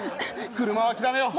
車は諦めよう。